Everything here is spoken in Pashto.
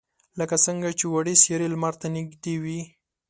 لکه څنگه چې وړې سیارې لمر ته نږدې وي.